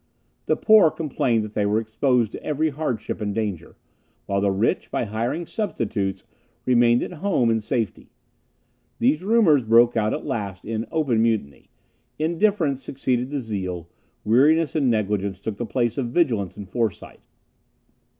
The poor complained that they were exposed to every hardship and danger, while the rich, by hiring substitutes, remained at home in safety. These rumours broke out at last in an open mutiny; indifference succeeded to zeal; weariness and negligence took the place of vigilance and foresight.